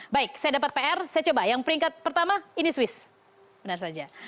baik saya dapat pr saya coba yang peringkat pertama ini swiss benar saja